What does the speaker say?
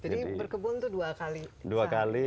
jadi berkebun itu dua kali dua kali